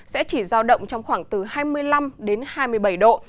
sẽ chỉ giao động trong khoảng từ hai mươi năm đến hai mươi bảy độ